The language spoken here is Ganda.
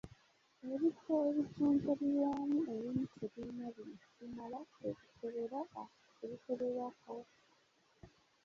Ebifo ebijjanjabirwamu ebimu tebirina bintu bimala ebikebera kawuka.